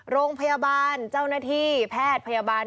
โรงพยาบาลเจ้าหน้าที่แพทย์พยาบาล